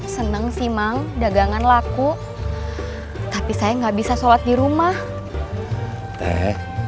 seneng sih mang dagangan laku tapi saya nggak bisa sholat di rumah teh